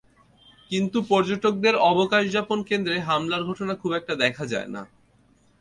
কিন্তু পর্যটকদের অবকাশযাপন কেন্দ্রে হামলার ঘটনা খুব একটা দেখা যায় না।